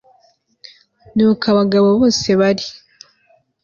nuko abagabo bose bari